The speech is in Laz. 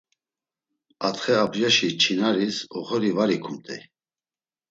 Atxe abjaşi çinaris oxori var ikumt̆ey.